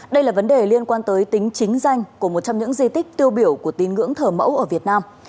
đây là vấn đề liên quan tới tính chính danh của một trong những di tích tiêu biểu của tín ngưỡng thờ mẫu ở việt nam